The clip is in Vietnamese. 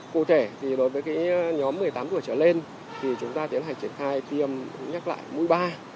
cụ thể thì đối với nhóm một mươi tám tuổi trở lên thì chúng ta tiến hành triển khai tiêm nhắc lại mũi ba